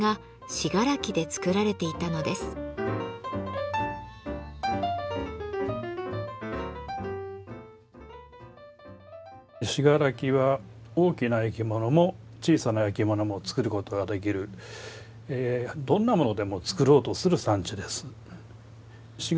信楽は大きな焼き物も小さな焼き物も作ることができるどんなものでも作ろうとする産地です。